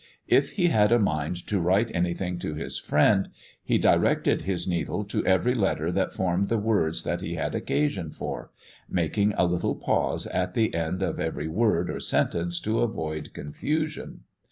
If he had a mind to write anything to his friend, he directed his needle to every letter that formed the words that he had occasion for making a little pause at the end of every word or sentence, to avoid confusion.